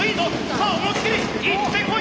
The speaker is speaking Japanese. さあ思いっきりいってこい！